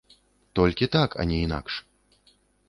Толькі так, а не інакш.